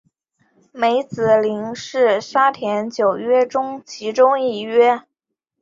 梅子林是沙田九约中其中一约。